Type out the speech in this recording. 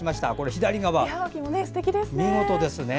左側、見事ですね。